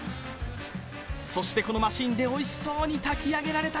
そしてこのマシンでおいしそうに炊き上げられた。